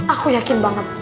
aku yakin banget